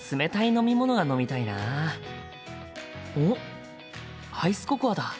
おっアイスココアだ。